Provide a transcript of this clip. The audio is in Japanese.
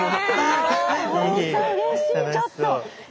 本当うれしいちょっと。